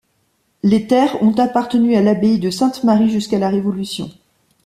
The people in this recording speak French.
Les terres ont appartenu à l'abbaye de Sainte-Marie jusqu'à la Révolution.